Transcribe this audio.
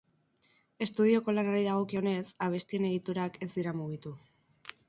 Estudioko lanari dagokionez, abestien egiturak ez dira mugitu.